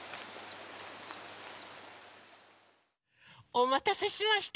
おまたせしました！